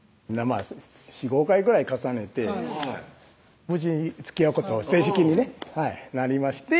４５回ぐらい重ねて無事つきあうこと正式にねなりまして